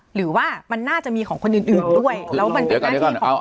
หรือว่ามันน่าจะมีของคนอื่นด้วย